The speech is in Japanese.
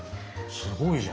すごいじゃん。